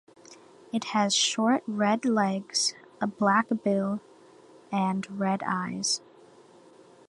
It has short red legs, a black bill and red eyes.